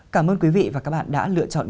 cảm ơn quý vị và các bạn đã lựa chọn